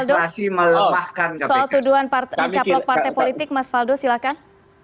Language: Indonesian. soal tuduhan mencaplok partai politik mas faldul silakan